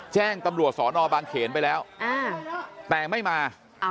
แจ้งตำรวจสอนอบางเขนไปแล้วแต่ไม่มา